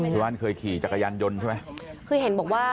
ที่บ้านเคยขี่จักรยานยนต์ใช่ไหมคือเห็นบอกว่า